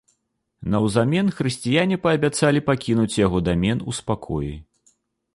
Наўзамен хрысціяне паабяцалі пакінуць яго дамен у спакоі.